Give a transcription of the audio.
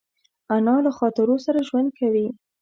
انا له خاطرو سره ژوند کوي